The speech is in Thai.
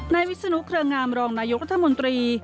ในวิสุนุกเครื่องงามรองนายกรัฐมนตรี